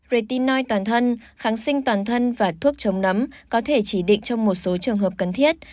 retinoi toàn thân kháng sinh toàn thân và thuốc chống nấm có thể chỉ định trong một số trường hợp cần thiết